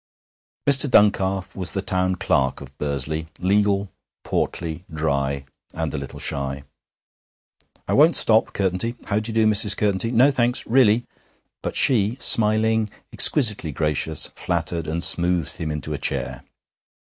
Mr. Duncalf was the Town Clerk of Bursley: legal, portly, dry, and a little shy. 'I won't stop, Curtenty. How d'ye do, Mrs. Curtenty? No, thanks, really ' But she, smiling, exquisitely gracious, flattered and smoothed him into a chair.